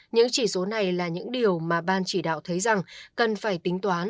những chỉ số này là những điều mà ban chỉ đạo thấy rằng cần phải tính toán